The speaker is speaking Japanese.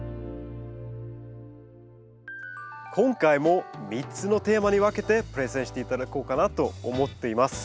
今回も３つのテーマに分けてプレゼンして頂こうかなと思っています。